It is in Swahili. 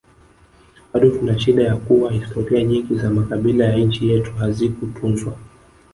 Bado tunashida ya kuwa historia nyingi za makabila ya nchi yetu hazikutunzwa